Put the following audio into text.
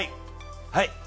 はい。